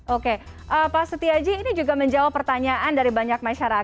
oke pak setiaji ini juga menjawab pertanyaan dari banyak masyarakat